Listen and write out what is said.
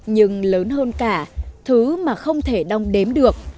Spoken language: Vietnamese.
nhưng lớn hơn cả thứ mà không thể đong đếm được